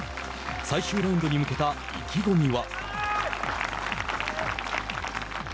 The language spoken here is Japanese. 最終ラウンドに向けた意気込みは。